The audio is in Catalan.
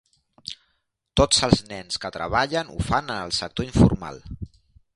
Tots els nens que treballen ho fan en el sector informal.